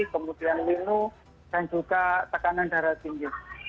kemudian linu dan juga tekanan darah tinggi